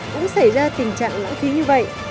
cũng xảy ra tình trạng lãng phí như vậy